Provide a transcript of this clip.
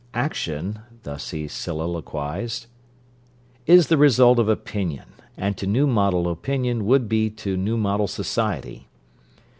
'Action,' thus he soliloquised, 'is the result of opinion, and to new model opinion would be to new model society.